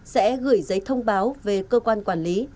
sẽ gửi giấy thông báo về cơ quan quản lý